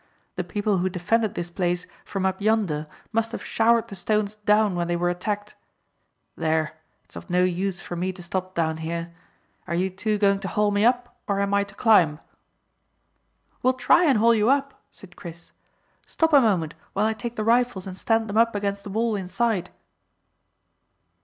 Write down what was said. The people who defended this place from up yonder must have showered the stones down when they were attacked. There, it's of no use for me to stop down here. Are you two going to haul me up, or am I to climb?" "We'll try and haul you up," said Chris. "Stop a moment while I take the rifles and stand them up against the wall inside."